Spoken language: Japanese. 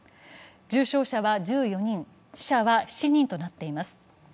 重症者は１４人、死者は７人となっています。